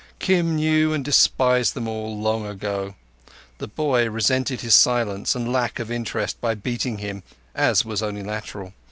Kim knew and despised them all long ago. The boy resented his silence and lack of interest by beating him, as was only natural.